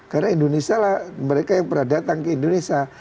karena indonesia lah mereka yang pernah datang ke indonesia